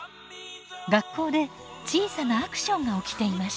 学校で小さなアクションが起きていました。